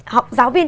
học giáo viên